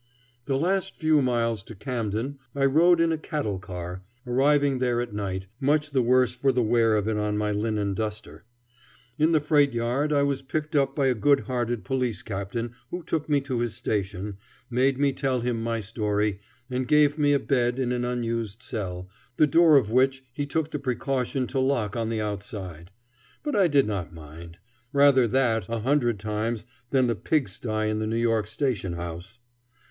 The last few miles to Camden I rode in a cattle car, arriving there at night, much the worse for the wear of it on my linen duster. In the freight yard I was picked up by a good hearted police captain who took me to his station, made me tell him my story, and gave me a bed in an unused cell, the door of which he took the precaution to lock on the outside. But I did not mind. Rather that a hundred times than the pig sty in the New York station house.